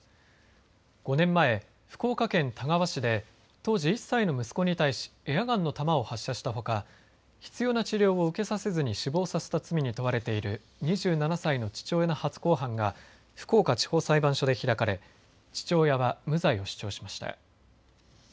５年前、福岡県田川市で当時１歳の息子に対しエアガンの弾を発射したほか必要な治療を受けさせずに死亡させた罪に問われている２７歳の父親の初公判が福岡地方裁判所で開かれ父親は無罪を主張しました。